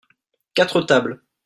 quatre tables.